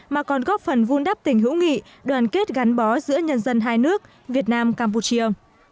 mà còn góp phần vun đắp tình hữu nghị đoàn kết gắn bó giữa nhân dân hai nước việt nam campuchia